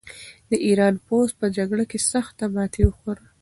د ایران پوځ په جګړه کې سخته ماته وخوړه.